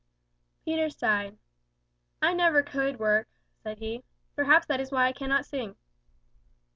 Peter sighed. "I never could work," said he. "Perhaps that is why I cannot sing."